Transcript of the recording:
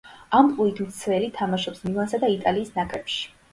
ამპლუით მცველი, თამაშობს „მილანსა“ და იტალიის ნაკრებში.